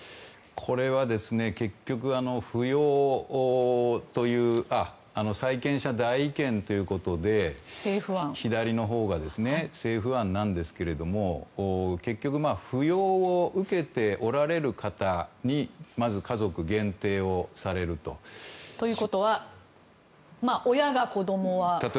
これは、結局債権者代位権ということで左のほうが政府案なんですが結局、扶養を受けておられる方にまず家族、限定をされると。ということは親が、子供はと。